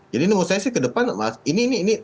jadi menurut saya sih ke depan ini ini ini